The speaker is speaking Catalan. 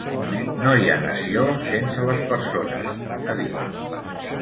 No hi ha nació sense les persones, ha dit.